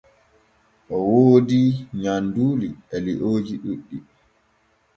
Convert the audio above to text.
O woodi nyanduuli e liooji ɗuɗɗi.